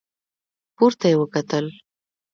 پورته يې وکتل.